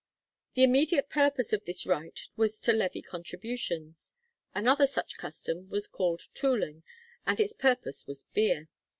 ] The immediate purpose of this rite was to levy contributions. Another such custom was called 'tooling,' and its purpose was beer.